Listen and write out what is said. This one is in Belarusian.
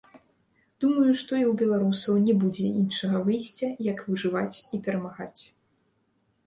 Думаю, што і ў беларусаў не будзе іншага выйсця, як выжываць і перамагаць.